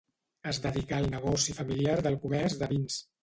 Es dedicà al negoci familiar del comerç de vins.